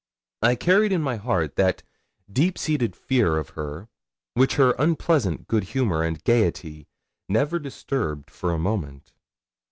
I carried in my heart that deep seated fear of her which her unpleasant good humour and gaiety never disturbed for a moment.